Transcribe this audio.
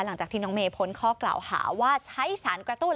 หลังจากที่น้องเมย์พ้นข้อกล่าวหาว่าใช้สารกระตุ้น